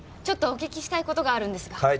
ちょっとお聞きしたい事があるんですが。